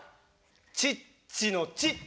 ちっちのち！